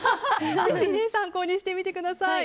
ぜひ参考にしてみてください。